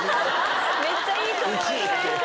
めっちゃいい友達。